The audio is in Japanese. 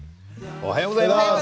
おはようございます。